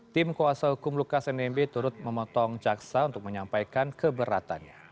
tim kuasa hukum lukas nmb turut memotong jaksa untuk menyampaikan keberatannya